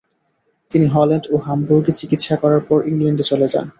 তিনি হল্যান্ড ও হামবুর্গে চিকিৎসা করার পর ইংলেন্ডে চলে যান।